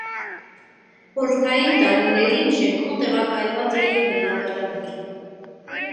Խորհրդային տարիներին շենքում տեղակայված էին բնակարաններ։